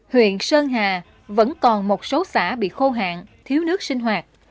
huyện sơn hà vẫn còn một số xã bị khô hạn thiếu nước sinh hoạt